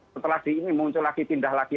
setelah di ini muncul lagi pindah lagi